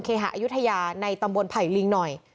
อายุทยาในตำบลไผ่ลิงหน่อย